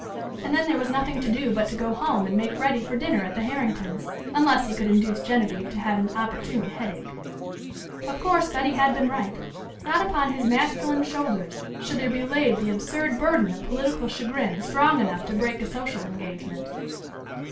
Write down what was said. And then there was nothing to do but to go home and make ready for dinner at the Herrington's, unless he could induce Genevieve to have an opportune headache. Of course Betty had been right. Not upon his masculine shoulders should there be laid the absurd burden of political chagrin strong enough to break a social engagement.